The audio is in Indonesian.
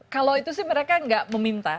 kalau itu sih mereka nggak meminta